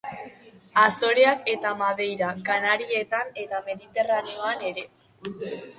Azoreak eta Madeira, Kanarietan eta Mediterraneoan ere.